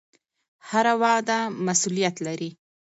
هره وعده مسوولیت لري